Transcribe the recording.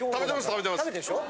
食べてるでしょ？